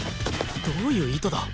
どういう意図だ？